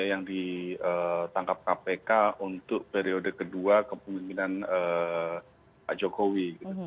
yang ditangkap kpk untuk periode kedua kepemimpinan pak jokowi